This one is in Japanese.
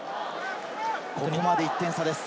ここまで１点差です。